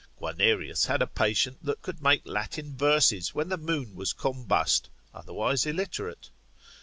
Guianerius had a patient could make Latin verses when the moon was combust, otherwise illiterate.